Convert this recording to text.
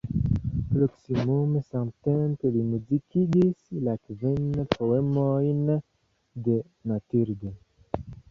Proksimume samtempe li muzikigis la kvin poemojn de Mathilde.